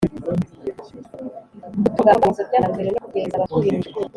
gutunganya ibikorwa remezo by'amajyambere no kubyegereza abatuye mu midugudu.